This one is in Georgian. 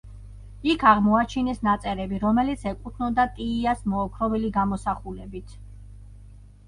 იქ აღმოაჩინეს ნაწერები რომელიც ეკუთვნოდა ტიიას მოოქროვილი გამოსახულებით.